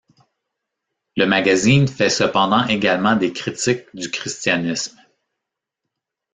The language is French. Le magazine fait cependant également des critiques du christianisme.